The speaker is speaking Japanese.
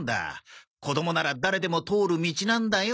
子どもなら誰でも通る道なんだよ。